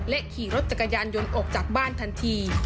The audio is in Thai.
ขี่รถจักรยานยนต์ออกจากบ้านทันที